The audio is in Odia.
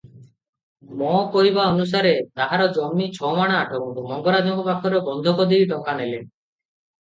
'ମୋ କହିବା ଅନୁସାରେ ତାହାର ଜମି 'ଛମାଣ ଆଠଗୁଣ୍ଠ' ମଙ୍ଗରାଜଙ୍କ ପାଖରେ ବନ୍ଧକ ଦେଇ ଟଙ୍କା ନେଲେ ।